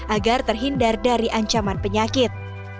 agar terhindar dari ancaman penyakit